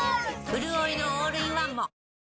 うるおいのオールインワンも！